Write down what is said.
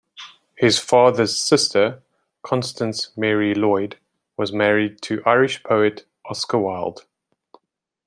His father's sister, Constance Mary Lloyd, was married to Irish poet Oscar Wilde.